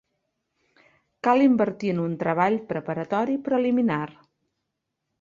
Cal invertir en un treball preparatori preliminar.